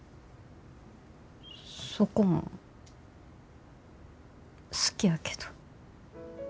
そこも好きやけど。